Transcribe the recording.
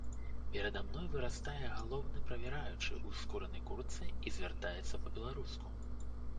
Перада мною вырастае галоўны правяраючы ў скураной куртцы і звяртаецца па-беларуску.